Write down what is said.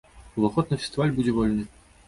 Уваход на фестываль будзе вольны.